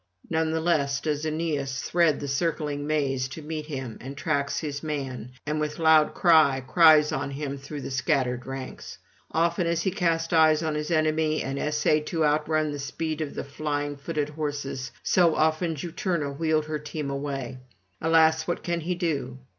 None the less does Aeneas thread the circling maze to meet him, and tracks his man, and with loud cry cries on him through the scattered ranks. Often as he cast eyes on his enemy and essayed to outrun the speed of the flying footed horses, so often Juturna wheeled her team away. Alas, what can he do?